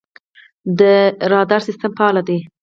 د رادار سیستم فعال دی؟